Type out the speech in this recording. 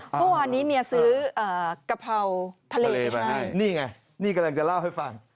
เมื่อวานนี้เมียซื้อกะเพราทะเลมาให้นี่ไงนี่กำลังจะเล่าให้ฟัง